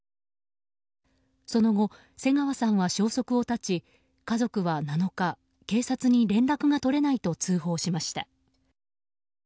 その後、瀬川さんは消息を絶ち家族は７日、警察に連絡が取れないと通報しました。